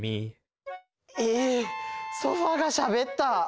ええっソファーがしゃべった！？